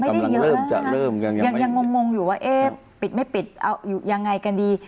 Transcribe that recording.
กำลังเริ่มจะเริ่มยังยังงงงงอยู่ว่าเอ๊ะปิดไม่ปิดเอ้าอยู่ยังไงกันดี